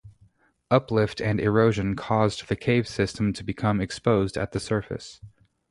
Uplift and erosion caused the cave system to become exposed at the surface.